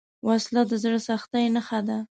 وسله د زړه سختۍ نښه ده